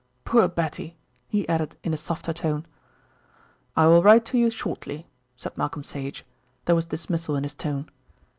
Poor Betty," he added in a softer tone. "I will write to you shortly," said Malcolm Sage. There was dismissal in his tone.